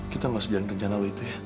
kita nggak sejalan jalan lo itu ya